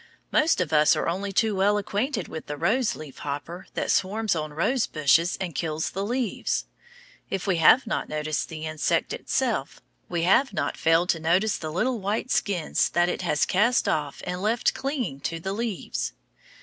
Most of us are only too well acquainted with the rose leaf hopper that swarms on rose bushes and kills the leaves. If we have not noticed the insect itself, we have not failed to notice the little white skins that it has cast off and left clinging to the leaves.